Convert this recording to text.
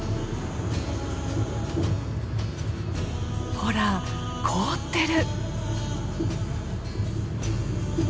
ほら凍ってる。